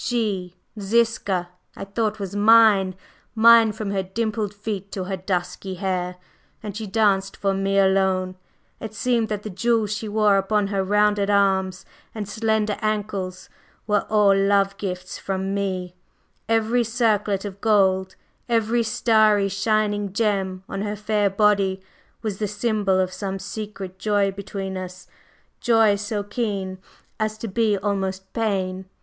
She Ziska I thought was mine, mine from her dimpled feet to her dusky hair, and she danced for me alone. It seemed that the jewels she wore upon her rounded arms and slender ankles were all love gifts from me every circlet of gold, every starry, shining gem on her fair body was the symbol of some secret joy between us joy so keen as to be almost pain.